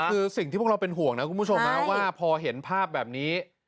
คือสิ่งที่พวกเราเป็นห่วงนะคุณผู้ชมว่าพอเห็นภาพแบบนี้